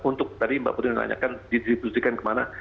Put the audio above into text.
ya untuk tadi mbak putri menanyakan ditributikan kemana